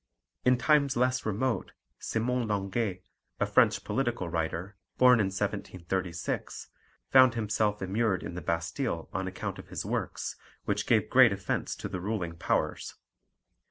In times less remote, Simon Linguet, a French political writer (born in 1736), found himself immured in the Bastille on account of his works, which gave great offence to the ruling powers.